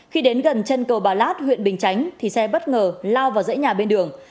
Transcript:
khi đến gần chân cầu bà lát huyện bình chánh thì xe bất ngờ lao vào dãy nhà bên đường